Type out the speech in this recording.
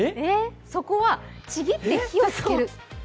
そこは、ちぎって火をつける。